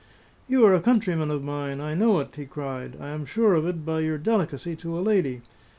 "You are a countryman of mine; I know it!" he cried: "I am sure of it by your delicacy to a lady.